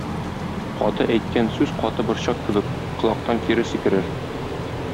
Каты әйткән сүз каты борчак кебек, колактан кире сикерер.